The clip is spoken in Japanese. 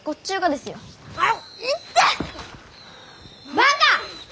バカ！